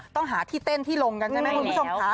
ต้องหาที่เต้นที่ลงกันใช่ไหมคุณผู้ชมค่ะ